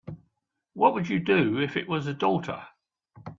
What would you do if it was a daughter?